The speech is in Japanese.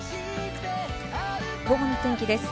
午後の天気です。